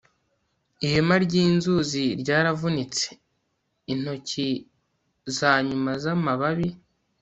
Ihema ryinzuzi ryaravunitse intoki zanyuma zamababi